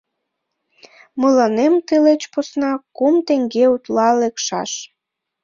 Мыланем тылеч посна кум теҥге утла лекшаш!